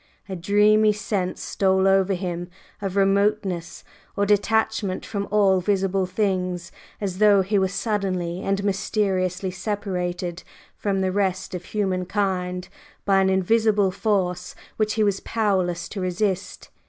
A dreamy sense stole over him of remoteness or detachment from all visible things, as though he were suddenly and mysteriously separated from the rest of humankind by an invisible force which he was powerless to resist.